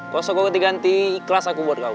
kalo sokok ganti ganti ikhlas aku buat kau